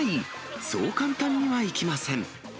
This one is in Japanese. そう簡単にはいきません。